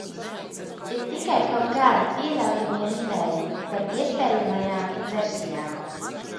Ir tikai kaut kādi pieļaujamie minējumi par iespējamajām versijām...